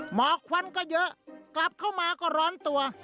หมอกควันก็เยอะกลับเข้ามาก็ร้อนตัว